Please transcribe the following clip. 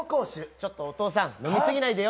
ちょっとお父さん飲み過ぎないでよ。